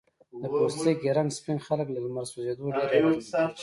د پوستکي رنګ سپین خلک له لمر سوځېدو ډیر اغېزمن کېږي.